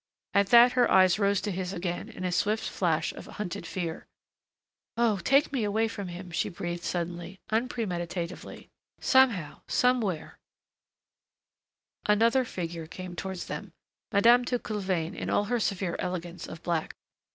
At that her eyes rose to his again in a swift flash of hunted fear. "Oh, take me away from him!" she breathed suddenly, unpremeditately. "Somehow somewhere " Another figure came towards them. Madame De Coulevain in all her severe elegance of black.